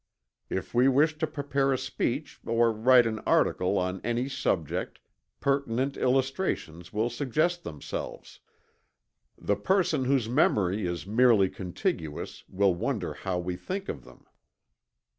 If we wish to prepare a speech or write an article on any subject, pertinent illustrations will suggest themselves. The person whose memory is merely contiguous will wonder how we think of them."